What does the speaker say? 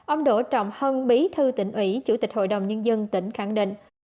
ông đỗ trọng hân bí thư tỉnh ủy chủ tịch hội đồng nhân dân tỉnh khẳng định